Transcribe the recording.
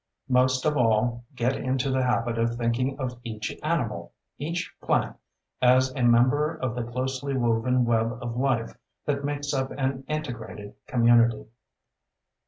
Most of all, get into the habit of thinking of each animal, each plant, as a member of the closely woven web of life that makes up an integrated community.